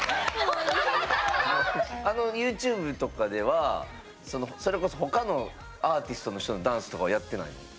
あのＹｏｕＴｕｂｅとかではそれこそ他のアーティストの人のダンスとかはやってないの？